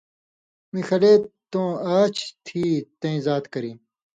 می ݜلے توں آچھے تھی تئیں زات کریم